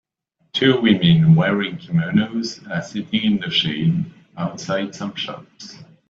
Two women wearing kimonos are sitting in the shade, outside some shops.